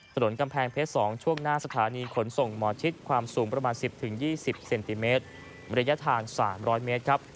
ถนนกำแพงเพชร๒ช่วงหน้าสถานีขนส่งหมอชิดความสูงประมาณ๑๐๒๐เซนติเมตรระยะทาง๓๐๐เมตรครับ